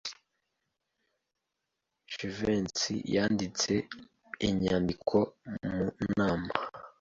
Jivency yanditse inyandiko mu nama.